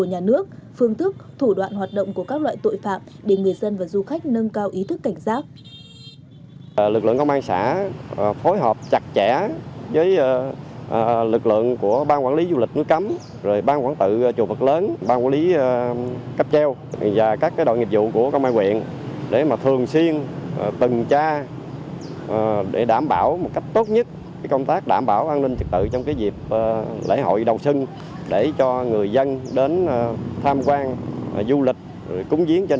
hợp động của các loại tội phạm để người dân và du khách nâng cao ý thức cảnh giác